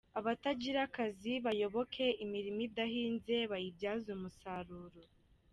Abatagira akazi bayoboke imirima idahinze bayibyaze umusaruro